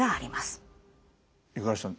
五十嵐さん